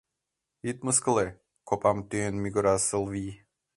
— Ит мыскыле! — копам тӱен мӱгыра Сылвий.